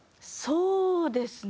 そうですね。